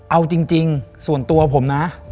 เอาจริงส่วนตัวผมนะ